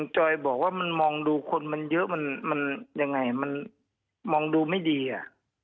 จอยบอกว่ามันมองดูคนมันเยอะมันยังไงมันมองดูไม่ดีอ่ะ